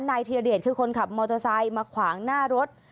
นายธิรเดชคือคนขับมอเซ้นี่มาขวางหน้ารถ